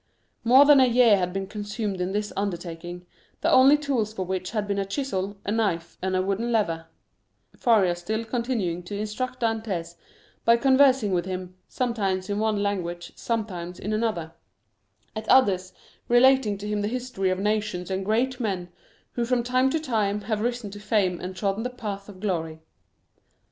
More than a year had been consumed in this undertaking, the only tools for which had been a chisel, a knife, and a wooden lever; Faria still continuing to instruct Dantès by conversing with him, sometimes in one language, sometimes in another; at others, relating to him the history of nations and great men who from time to time have risen to fame and trodden the path of glory.